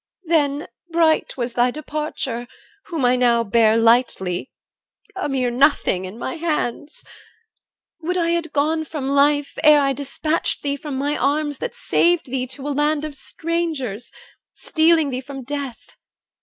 Then bright was thy departure, whom I now Bear lightly, a mere nothing, in my hands. Would I had gone from life, ere I dispatched Thee from my arms that saved thee to a land Of strangers, stealing thee from death!